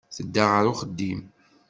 Tedda ɣer uxeddim.